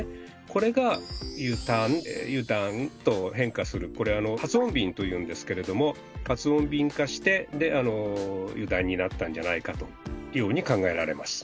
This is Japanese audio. これが「ゆたん」「ゆだん」と変化するこれ発音便というんですけれども発音便化してで「油断」になったんじゃないかというように考えられます。